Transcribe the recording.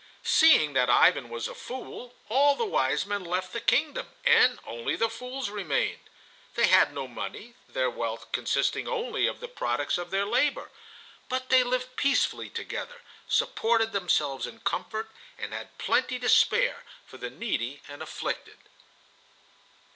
Seeing that Ivan was a fool, all the wise men left the kingdom and only the fools remained. They had no money, their wealth consisting only of the products of their labor. But they lived peacefully together, supported themselves in comfort, and had plenty to spare for the needy and afflicted.